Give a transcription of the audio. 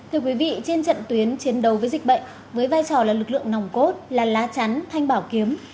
thưa quý vị trên trận tuyến chiến đấu với dịch bệnh với vai trò là lực lượng nòng cốt là lá chắn thanh bảo kiếm